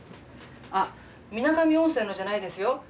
あっ水上温泉のじゃないですよ。